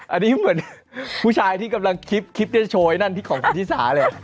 อันนี้เหมือนผู้ชายที่กำลังคิดจะโชว์ไอ้นั่นที่ของคุณชิสาเลย